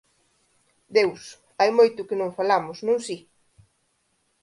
Deus, hai moito que non falamos, non si?